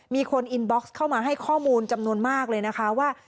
มีคนอินบ็อกซ์เข้ามาให้ข้อมูลจำนวนมากเลยนะคะว่า